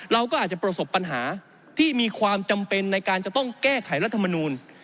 เราก็อาจจะประสบปัญหาที่มีความจำเป็นในการจะต้องแก้ไขรัฐมนูล